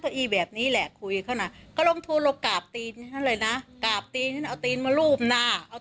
ก็ไม่ลืมวันคุณป้าเลยนะเอาตีนมาวางหัวเค้าอะ